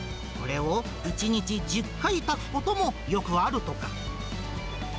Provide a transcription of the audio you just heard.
これを１日１０回炊くこともよくあるとか。